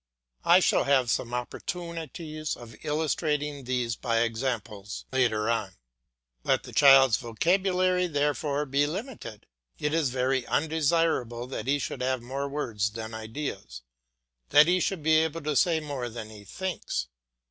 I shall have several opportunities of illustrating these by examples later on. Let the child's vocabulary, therefore, be limited; it is very undesirable that he should have more words than ideas, that he should be able to say more than he thinks.